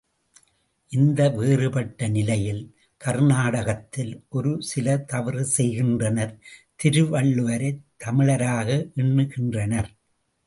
இந்த வேறுபட்ட நிலையில் கர்நாடகத்தில் ஒரு சிலர் தவறு செய்கின்றனர் திருவள்ளுவரைத் தமிழராக எண்ணுகின்றனர்.